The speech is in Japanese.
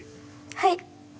はい！